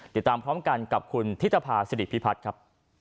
ติดตามพร้อมกันกับคุณธิตภาษิริพิพัฒน์ครับ